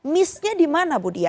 miss nya di mana bu dia